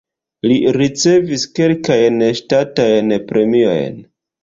Li ricevis kelkajn ŝtatajn premiojn.